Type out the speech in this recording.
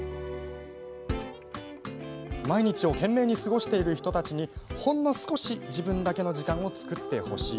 毎日を懸命に過ごしている人たちに、ほんの少し自分だけの時間を作ってほしい。